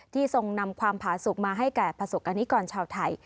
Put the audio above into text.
ทรงนำความผาสุขมาให้แก่ประสบกรณิกรชาวไทย